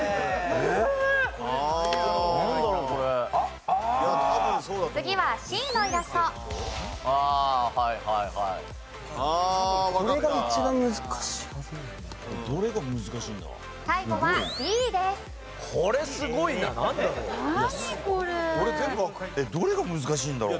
えっどれが難しいんだろう？